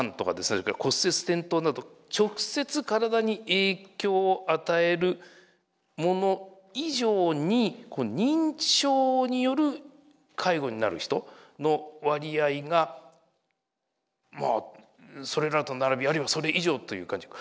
それから骨折・転倒など直接体に影響を与えるもの以上に認知症による介護になる人の割合がまあそれらと並びあるいはそれ以上という感じ。